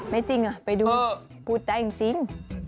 ไม่จริงไปดูพูดได้จริง